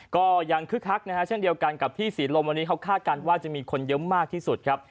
คึกคักนะฮะเช่นเดียวกันกับที่ศรีลมวันนี้เขาคาดการณ์ว่าจะมีคนเยอะมากที่สุดครับ